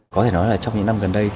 có thể nói là trong những năm gần đây